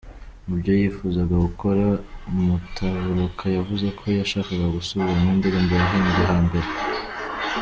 Mu byo yifuzaga gukora, Mutabaruka yavuze ko yashakaga gusubiramo indirimbo yahimbye hambere.